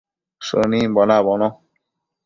Shënimbo nabono